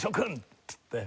っつって。